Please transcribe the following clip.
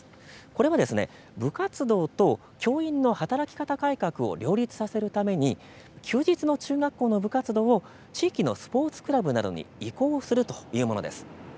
これは部活動と教員の働き方改革を両立させるために休日の中学校の部活動を地域のスポーツクラブなどに移行するというものです。